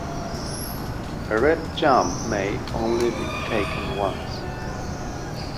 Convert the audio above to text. A red jump may only be taken once.